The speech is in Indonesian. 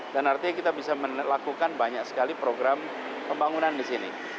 dan artinya kita bisa melakukan banyak sekali program pembangunan di sini